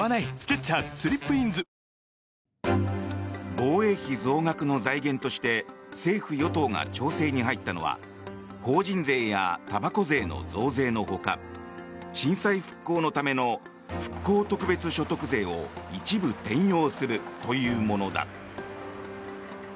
防衛費増額の財源として政府・与党が調整に入ったのは法人税やたばこ税の増税のほか震災復興のための復興特別所得税を一部転用するというものだ。